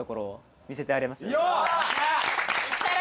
いったれ！